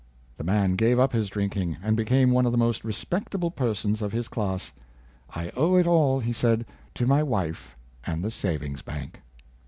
^" The man gave up his drinking, and became one of the most respectable persons of his class. " I owe it all," he said, " to my wife and the savings bank."